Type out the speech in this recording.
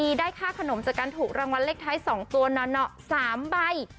มีได้ค่าขนมจากการถูกรางวัลเลขท้าย๒ตัวหน่อ๓ใบ